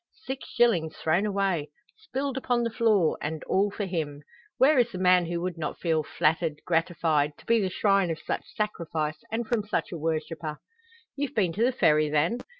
Six shillings thrown away spilled upon the floor and all for him! Where is the man who would not feel flattered, gratified, to be the shrine of such sacrifice, and from such a worshipper? "You've been to the Ferry, then?"